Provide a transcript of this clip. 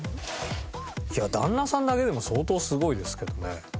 いや旦那さんだけでも相当すごいですけどね。